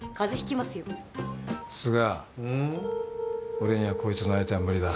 俺にはこいつの相手は無理だ。